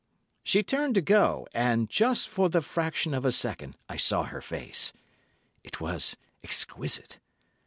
"She turned to go, and just for the fraction of a second I saw her face. It was exquisite.